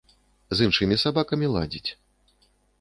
З іншымі сабакамі ладзіць.